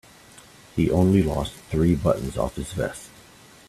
He only lost three buttons off his vest.